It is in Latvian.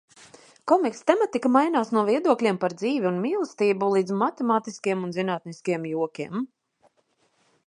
Komiksa tematika mainās no viedokļiem par dzīvi un mīlestību līdz matemātiskiem un zinātniskiem jokiem.